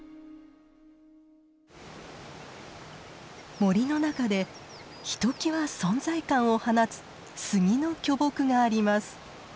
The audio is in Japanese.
森の中でひときわ存在感を放つスギの巨木があります。